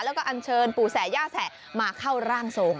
แล้วก็อันเชิญปู่แสะย่าแสะมาเข้าร่างทรง